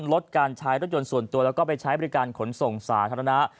ลดการใช้รถยนต์ส่วนตัวและไปใช้บริการขนส่งสรรฐนา